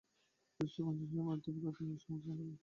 খ্রীষ্টীয় মিশনসমূহের কাজের তিনি তীব্র সমালোচনা করেন।